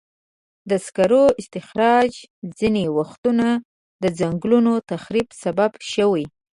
د سکرو استخراج ځینې وختونه د ځنګلونو تخریب سبب شوی.